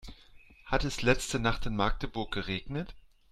Hat es letzte Nacht in Magdeburg geregnet?